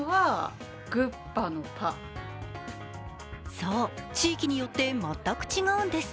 そう、地域によって全く違うんです。